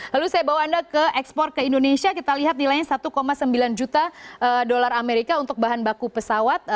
lalu saya bawa anda ke ekspor ke indonesia kita lihat nilainya satu sembilan juta dolar amerika untuk bahan baku pesawat